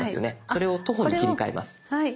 それを「徒歩」に切り替えます。